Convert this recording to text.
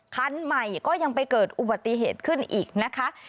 คันใหม่ก็ยังไปเกิดอุบัติเหตุขึ้นอีกนะคะ